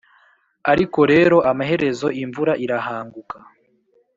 ariko rero amaherezo imvura irahanguka